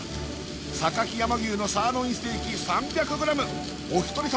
榊山牛のサーロインステーキ３００グラムお一人様